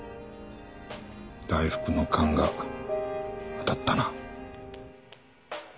大福の勘が当たったな。